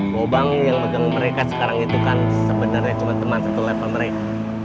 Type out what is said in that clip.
lubang yang megang mereka sekarang itu kan sebenarnya cuma teman satu level mereka